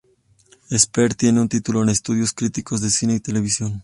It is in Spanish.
Speer tiene un título en Estudios Críticos de Cine y Televisión.